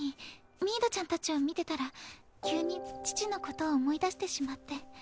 ミードちゃんたちを見てたら急に父のことを思い出してしまって。